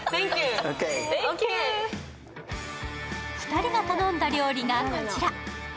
２人が頼んだ料理がこちら。